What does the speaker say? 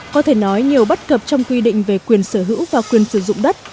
có thể nói nhiều bất cập trong quy định về quyền sở hữu và quyền sử dụng đất